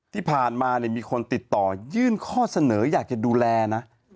ที่ผ่านมามีคนติดต่อยื่นข้อเสนออยากจะดูแลนะ